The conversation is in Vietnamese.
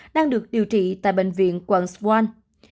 đang được điều trị tại bệnh viện quận swan